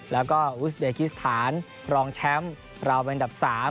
แล้วก็อุสเดกิสถานรองแชมป์เราเป็นอันดับ๓